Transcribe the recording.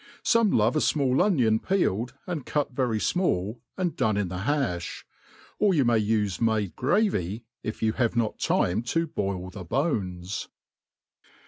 Some love a fmall onion peeled, and cut very fmall, and done in the ha(h. Or you (pay life made gravy if you have not time to boil the bones.